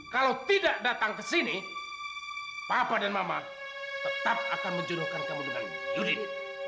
kalau tidak datang ke sini papa dan mama tetap akan menjuruhkan kamu dengan yudi ini